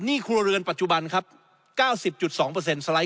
หนี้ครัวเรือนปัจจุบันครับเก้าสิบจุดสองเปอร์เซ็นต์สไลต์